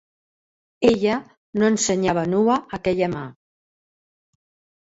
Ella no ensenyava nua aquella mà.